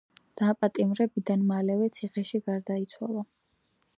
დაპატიმრებიდან მალევე ციხეში გარდაიცვალა.